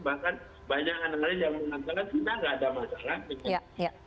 bahkan banyak yang mengatakan kita nggak ada masalah